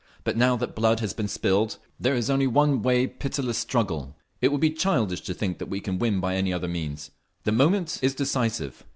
But now that blood has been spilled there is only one way—pitiless struggle. It would be childish to think we can win by any other means…. The moment is decisive.